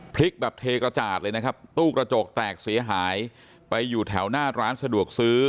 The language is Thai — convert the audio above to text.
พลิกแบบเทกระจาดเลยนะครับตู้กระจกแตกเสียหายไปอยู่แถวหน้าร้านสะดวกซื้อ